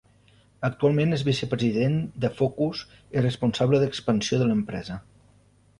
Actualment és vicepresident de Focus i responsable d'expansió de l'empresa.